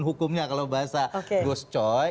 hukumnya kalau bahasa gus coy